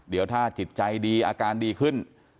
เดี๋ยวถ้าจิตใจดีอาการดีขึ้น